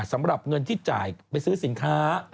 สำหรับเงินที่จ่ายไปซื้อสินค้า